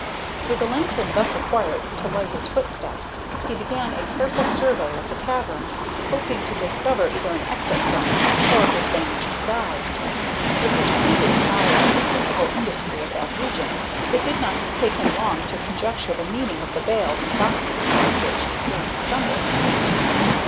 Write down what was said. With the lantern thus acquired to light his footsteps, he began a careful survey of the cavern, hoping to discover either an exit from it or his vanished guide. With his previous knowledge of the principal industry of that region, it did not take him long to conjecture the meaning of the bales and boxes upon which he soon stumbled.